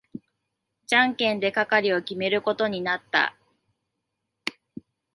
じゃんけんで係を決めることになった。